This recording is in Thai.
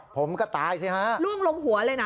ผมก็ตายสิฮะล่วงลงหัวเลยนะ